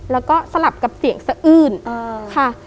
แล้วก็สลับกับเสียงสะอื้นค่ะ